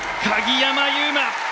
鍵山優真